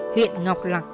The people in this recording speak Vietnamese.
huyện ngọc lạc